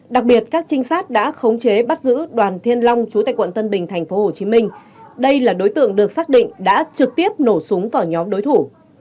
đặc biệt các trinh sát đã khống chế bắt giữ đoàn thiên long chú tại quận tân bình tp hcm đây là đối tượng được xác định đã trực tiếp nổ súng vào nhóm đối thủ